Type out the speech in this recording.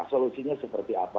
solusinya seperti apa